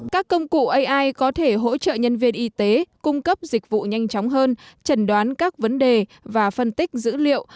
các công cụ ai có thể hỗ trợ nhân viên y tế cung cấp dịch vụ nhanh chóng hơn trần đoán các vấn đề và phân tích dữ liệu